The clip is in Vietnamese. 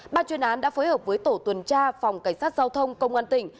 ban chuyên án đã phối hợp với tổ tuần tra phòng cảnh sát giao thông công an tỉnh